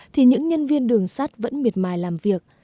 thì những nhân viên đường sắt vẫn miệt mài làm việc